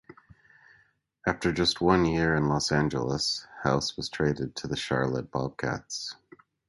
After just one year in Los Angeles, House was traded to the Charlotte Bobcats.